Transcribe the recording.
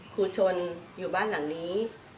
ครูชนอยู่บ้านหลังนี้